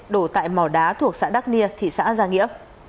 đổ tại mò đá thuộc xã đắc nia thị xã gia nghĩa